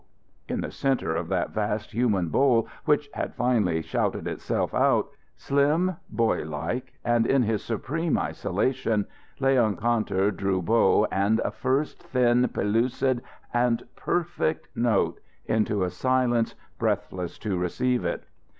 In the center of that vast human bowl which had finally shouted itself out, slim, boylike, and in his supreme isolation, Leon Kantor drew bow and a first thin, pellucid, and perfect note into a silence breathless to receive it.